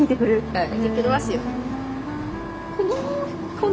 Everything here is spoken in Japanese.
はい。